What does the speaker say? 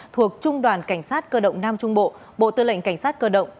thuộc trung đoàn cảnh sát cơ động nam trung bộ bộ tư lệnh cảnh sát cơ động